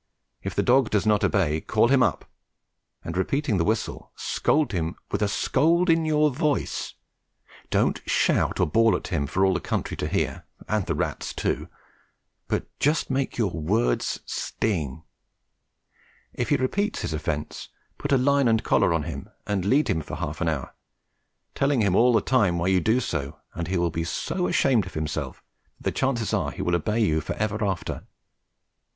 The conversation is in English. If the dog does not obey, call him up and, repeating the whistle, scold him with a scold in your voice. Don't shout or bawl at him for all the country to hear and the rats too, but just make your words sting. If he repeats his offence, put a line and collar on him and lead him for half an hour, telling him all the time why you do so, and he will be so ashamed of himself that the chances are he will obey you ever after.